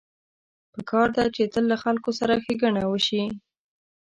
پکار ده چې تل له خلکو سره ښېګڼه وشي